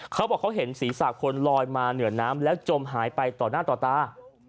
เขาบอกเขาเห็นศีรษะคนลอยมาเหนือน้ำแล้วจมหายไปต่อหน้าต่อตา